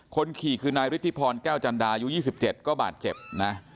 คนขี่คือนายฤทธิพรแก้วจันดาอายุ๒๗ก็บาดเจ็บนะ